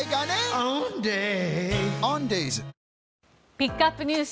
ピックアップＮＥＷＳ